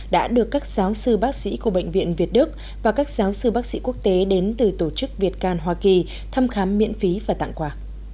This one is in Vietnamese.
đã được các giáo sư bác sĩ của bệnh viện việt đức và các giáo sư bác sĩ quốc tế đến từ tổ chức việt can hoa kỳ thăm khám miễn phí và tặng quà